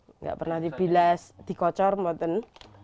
enggak pernah di bilas dikocor langsung